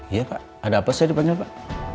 iya pak ada apa saya di panggil pak